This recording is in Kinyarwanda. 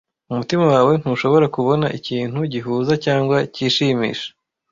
umutima wawe ntushobora kubona ikintu gihuza cyangwa kishimisha